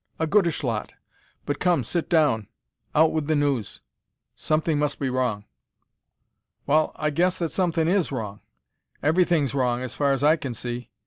"A goodish lot. But come, sit down and out wi' the news. Something must be wrong." "Wall, I guess that somethin' is wrong. Everything's wrong, as far as I can see.